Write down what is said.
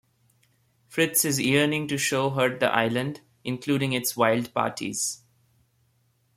Fritz is yearning to show her the island, including its wild parties.